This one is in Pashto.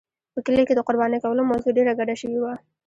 په کلي کې د قربانۍ کولو موضوع ډېره ګډه شوې وه.